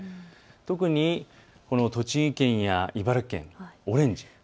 特に栃木県や茨城県、オレンジ。